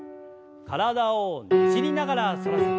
体をねじりながら反らせて。